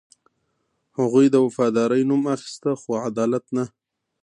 هغوی د وفادارۍ نوم اخیسته، خو عدالت نه.